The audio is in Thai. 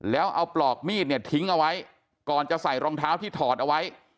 แล้วเอาปลอกมีดเนี่ยทิ้งเอาไว้ก่อนจะใส่รองเท้าที่ถอดเอาไว้